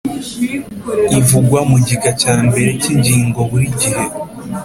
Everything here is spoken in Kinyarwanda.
ivugwa mu gika cya mbere cy’iyi ngingo buri gihe.